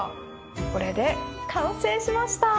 これで完成しました！